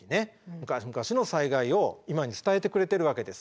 むかしむかしの災害を今に伝えてくれてるわけです。